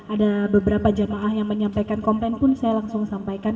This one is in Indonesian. ada beberapa jamaah yang menyampaikan komplain pun saya langsung sampaikan